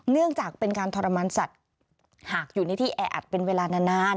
เนื่องจากเป็นการทรมานสัตว์หากอยู่ในที่แออัดเป็นเวลานาน